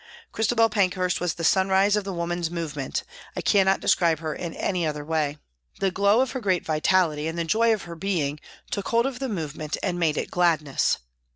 Christabel Pankhurst was the sunrise of the woman's movement, I cannot describe her in any other way. The glow of her great vitality and the joy of her being took hold of the movement and made it gladness.